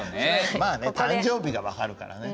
まあね誕生日が分かるからね。